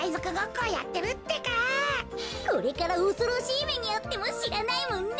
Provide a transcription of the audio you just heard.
これからおそろしいめにあってもしらないもんね。